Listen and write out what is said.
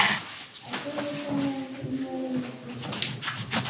akarere ka nyanza intara y amajyepfo